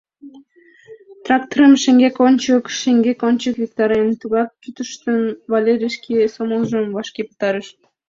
Тракторым шеҥгек-ончык, шеҥгек-ончык виктарен, тыгак кӱтыштын, Валерий шке сомылжым вашке пытарыш.